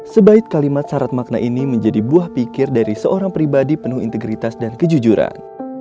sebaik kalimat syarat makna ini menjadi buah pikir dari seorang pribadi penuh integritas dan kejujuran